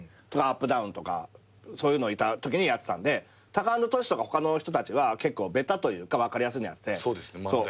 ダウンとかそういうのいたときにやってたんでタカアンドトシとか他の人たちは結構ベタというか分かりやすいのやってて。